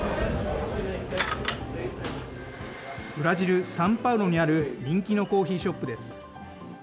ブラジル・サンパウロにある人気のコーヒーショップです。